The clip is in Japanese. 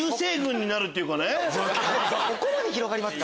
そこまで広がりますか？